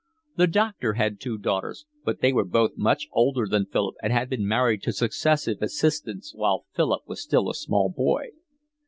The doctor had two daughters, but they were both much older than Philip and had been married to successive assistants while Philip was still a small boy.